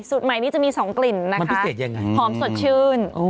สูตรใหม่นี้จะมีสองกลิ่นนะคะหอมสดชื่นอุ๋มันพิเศษยังไง